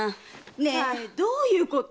ねえどういうこと？